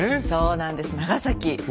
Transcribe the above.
そうなんです長崎。